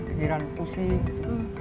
kegiran pusing gitu